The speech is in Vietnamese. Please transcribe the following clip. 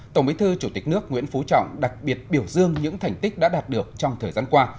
tổng bí thư chủ tịch nước nguyễn phú trọng đặc biệt biểu dương những thành tích đã đạt được trong thời gian qua